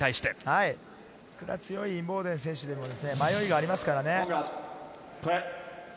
いくら強いインボーデン選手でも迷いはありますからね。